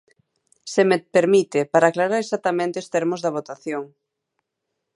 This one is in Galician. Se me permite, para aclarar exactamente os termos da votación.